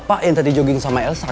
pak kayaknya aku sama mbak sal